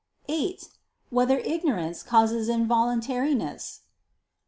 (8) Whether ignorance causes involuntariness?